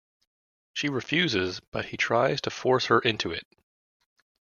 She refuses, but he tries to force her into it.